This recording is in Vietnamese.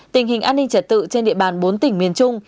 tình hình an ninh trật tự trên địa bàn bốn tỉnh miền trung